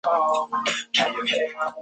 梁嘉铭曾就读和约克大学。